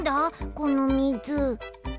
このみず。